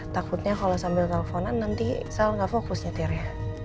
takutnya kalau sambil telfonan nanti sal gak fokus nyetirnya